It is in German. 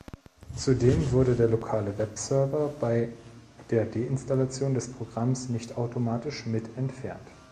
Zudem wurde der lokale Webserver bei der Deinstallation des Programms nicht automatisch mit entfernt.